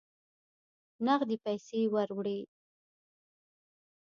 نغدي پیسې وروړي.